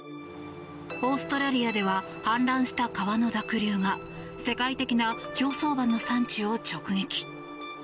オーストラリアでは氾濫した川の濁流が世界的な競走馬の産地を直撃。